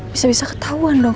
bisa bisa ketauan dong